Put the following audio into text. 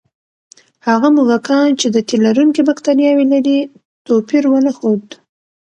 هغه موږکان چې د تیلرونکي بکتریاوې لري، توپیر ونه ښود.